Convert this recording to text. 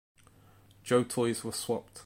Joe toys were swapped.